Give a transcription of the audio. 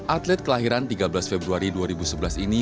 atlet kelahiran tiga belas februari dua ribu sebelas ini